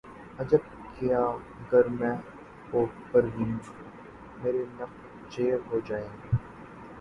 عجب کیا گر مہ و پرویں مرے نخچیر ہو جائیں